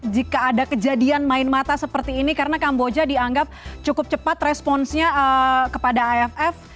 jika ada kejadian main mata seperti ini karena kamboja dianggap cukup cepat responsnya kepada aff